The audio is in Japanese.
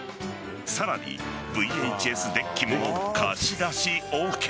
さらにＶＨＳデッキも貸し出しＯＫ。